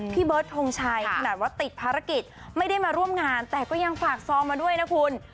เบิร์ดทงชัยขนาดว่าติดภารกิจไม่ได้มาร่วมงานแต่ก็ยังฝากซองมาด้วยนะคุณ